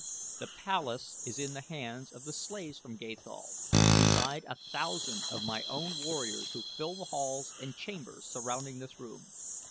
The palace is in the hands of the slaves from Gathol, beside a thousand of my own warriors who fill the halls and chambers surrounding this room.